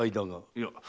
いや。